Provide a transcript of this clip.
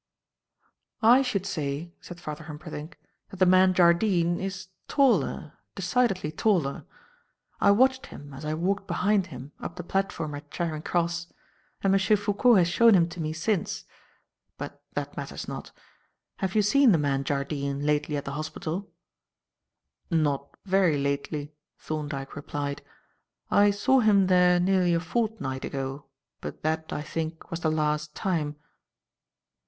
"I should say," said Father Humperdinck, "that the man, Jardine, is taller, decidedly taller. I watched him as I walked behind him up the platform at Charing Cross, and M. Foucault has shown him to me since. But that matters not. Have you seen the man, Jardine, lately at the hospital?" "Not very lately," Thorndyke replied. "I saw him there nearly a fortnight ago, but that, I think, was the last time."